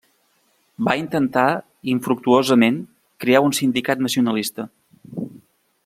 Va intentar, infructuosament, crear un sindicat nacionalista.